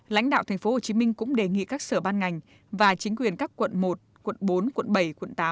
lãnh đạo tp hcm cũng đề nghị các sở ban ngành và chính quyền các quận một quận bốn quận bảy quận tám